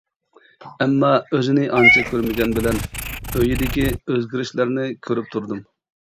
ئەمما، ئۆزىنى ئانچە كۆرمىگەن بىلەن ئۆيىدىكى ئۆزگىرىشلەرنى كۆرۈپ تۇردۇم.